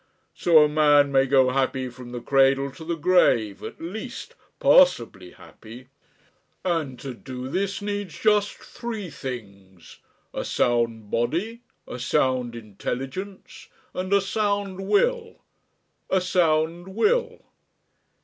So a man may go happy from the cradle to the grave at least passably happy. And to do this needs just three things a sound body, a sound intelligence, and a sound will ... A sound will."